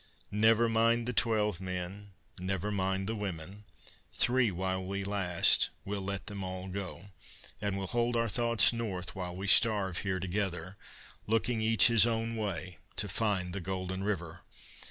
Never mind the twelve men, never mind the women; Three while we last, we'll let them all go; And we'll hold our thoughts north while we starve here together, Looking each his own way to find the golden river.